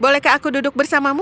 bolehkah aku duduk bersamamu